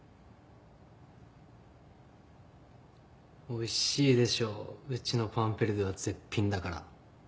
おいしいでしょうちのパンペルデュは絶品だから。